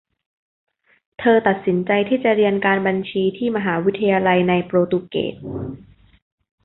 เธอตัดสินใจที่จะเรียนการบัญชีที่มหาวิทยาลัยในโปรตุเกส